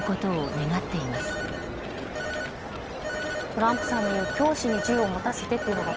トランプさんの言う教師に銃を持たせてというのが